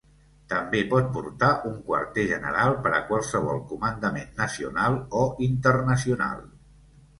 També pot portar un quarter general per a qualsevol comandament nacional o internacional.